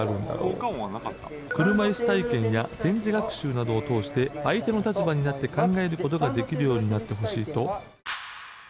車椅子体験や点字学習などを通して相手の立場になって考える事ができるようになってほしいと。